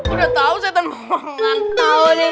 udah tau setengah ngomong nggak tau nih